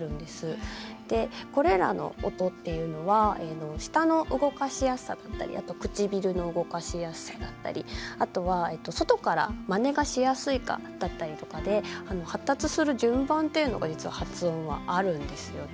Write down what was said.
これらの音っていうのは舌の動かしやすさだったりあと唇の動かしやすさだったりあとは外からまねがしやすいかだったりとかで発達する順番っていうのが実は発音はあるんですよね。